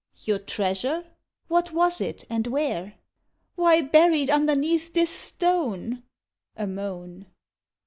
"Your treasure! what was it, and where?" "Why, buried underneath this stone." (A moan!)